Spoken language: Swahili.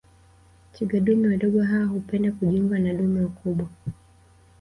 Twiga dume wadogo hao hupenda kujiunga na dume wakubwa